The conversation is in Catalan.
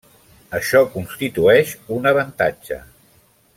Això constitueix un avantatge.